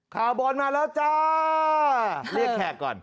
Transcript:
ข่าวบอลมาแล้วจ้า